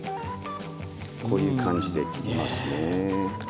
こういう感じで切りますね。